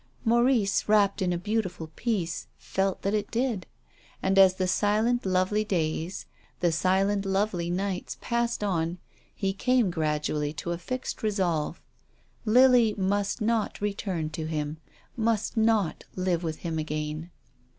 Maurice, wrapped in a beautiful peace, felt that it did. And, as the silent lovely days, the silent lovely nights passed on he came gradually to a fixed resolve. Lily must not return to him, must not live with him again.